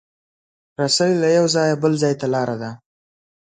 رسۍ له یو ځایه بل ځای ته لاره ده.